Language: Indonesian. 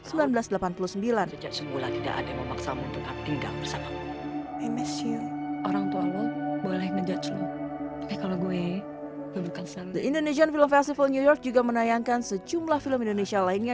indonesian film festival new york juga menayangkan sejumlah film indonesia lainnya